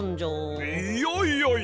いやいやいや！